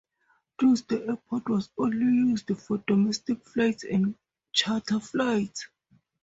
Thus the airport was only used for domestic flights and charter flights.